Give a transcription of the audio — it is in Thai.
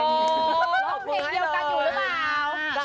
โอ้วต้องเก็บกันอยู่หรือเปล่า